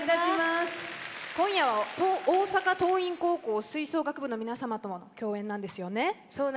今夜は大阪桐蔭高校吹奏楽部との競演なんですよね。